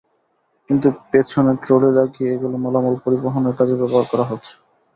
কিন্তু পেছনে ট্রলি লাগিয়ে এগুলো মালামাল পরিবহনের কাজে ব্যবহার করা হচ্ছে।